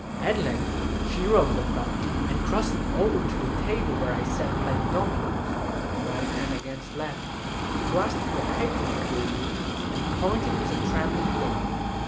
At length she rose abruptly, and, crossing over to the table where I sat playing dominoes (right hand against left), thrust the paper before me, and pointed with a trembling finger.